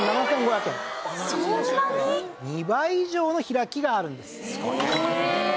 ２倍以上の開きがあるんです。